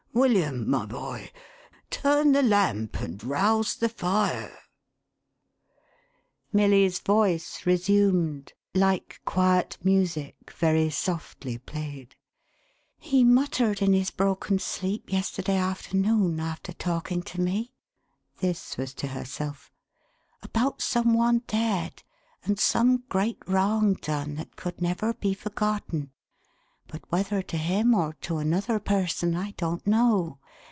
Wiliam, my boy, turn the lamp, and rouse the fire !" Milly's voice resumed, like quiet music very softly played : "He muttered in his broken sleep yesterday afternoon, after talking to me" (this was to herself) "about some one 2 F 434 THE HAUNTED MAN. dead, and some great wrong done that could never be for gotten; but whether to him or to another person, I don't know.